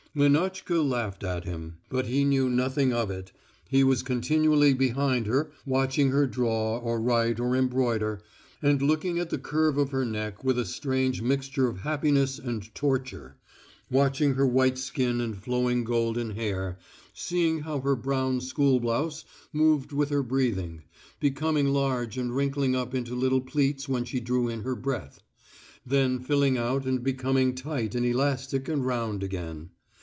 Lenotchka laughed at him. But he knew nothing of it, he was continually behind her watching her draw or write or embroider, and looking at the curve of her neck with a strange mixture of happiness and torture, watching her white skin and flowing golden hair, seeing how her brown school blouse moved with her breathing, becoming large and wrinkling up into little pleats when she drew in her breath, then filling out and becoming tight and elastic and round again.